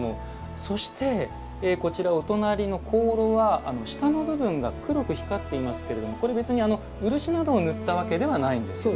そしてこちらお隣の香炉は下の部分が黒く光っていますけれどもこれ別に漆などを塗ったわけではないんですよね。